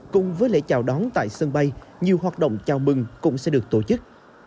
cùng với lễ chào đón tại sân bay nhiều hoạt động chào mừng cũng sẽ được tổ chức